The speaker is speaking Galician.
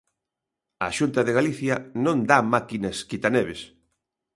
A Xunta de Galicia non dá máquinas quitaneves.